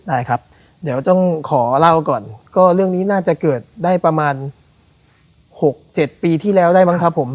ได้ครับเดี๋ยวต้องขอเล่าก่อนก็เรื่องนี้น่าจะเกิดได้ประมาณ๖๗ปีที่แล้วได้มั้งครับผม